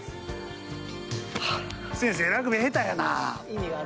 先生、ラグビー下手やなあ。